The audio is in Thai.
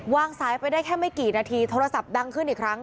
สายไปได้แค่ไม่กี่นาทีโทรศัพท์ดังขึ้นอีกครั้ง